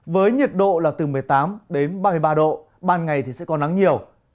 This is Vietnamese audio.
với nhiệt độ là từ một mươi tám đến ba mươi ba độ ban ngày sẽ còn nắng nhiều